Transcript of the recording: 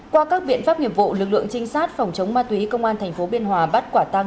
qua các biện pháp nghiệp vụ lực lượng trinh sát phòng chống ma túy công an tp biên hòa bắt quả tăng